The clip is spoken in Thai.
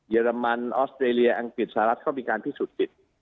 เรมันออสเตรเลียอังกฤษสหรัฐก็มีการพิสูจนติด